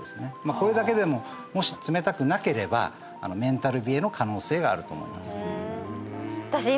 これだけでももし冷たくなければメンタル冷えの可能性があると思います